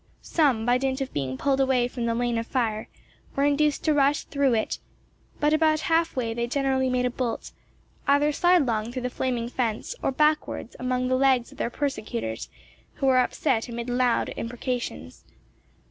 Some, by dint of being pulled away from the lane of fire, were induced to rush through it; but about half way they generally made a bolt, either sidelong through the flaming fence or backwards among the legs of their persecutors, who were upset amid loud imprecations.